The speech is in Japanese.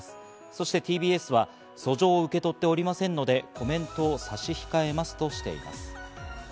そしてＴＢＳは、訴状を受け取っておりませんので、コメントを差し控えますとしています。